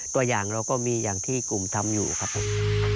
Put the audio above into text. ตัวอย่างเราก็มีอย่างที่กลุ่มทำอยู่ครับผม